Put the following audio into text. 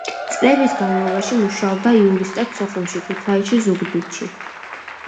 წლების განმავლობაში მუშაობდა იურისტად სოხუმში, ქუთაისში, ზუგდიდში.